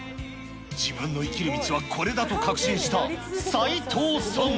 自分の生きる道はこれだと確信した齋藤さん。